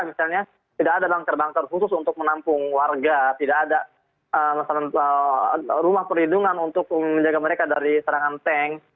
misalnya tidak ada bangker bangker khusus untuk menampung warga tidak ada rumah perlindungan untuk menjaga mereka dari serangan tank